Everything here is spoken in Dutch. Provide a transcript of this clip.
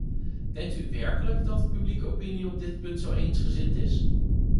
Denkt u werkelijk dat de publieke opinie op dit punt zo eensgezind is?